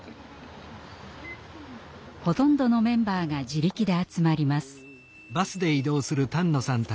ほとんどのメンバーが自力で集まります。